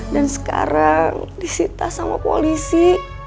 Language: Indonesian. dan sekarang disita sama polisi